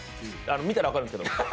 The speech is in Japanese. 見たら分かるんですけど。